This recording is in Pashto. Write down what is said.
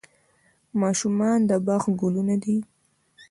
ماشومان د باغ ګلونه دي